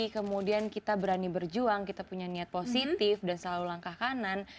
kemudian kita berani berjuang kita punya niat positif dan selalu langkah kanan